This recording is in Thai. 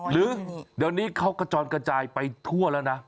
หรือเดี๋ยวนี้เขากระจอนกระจายไปทั่วแล้วนะ